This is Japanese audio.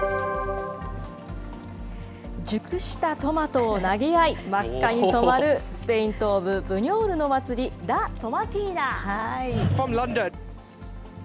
熟したトマトを投げ合い、真っ赤に染まるスペイン東部ブニョールの祭り、ラ・トマティーナ。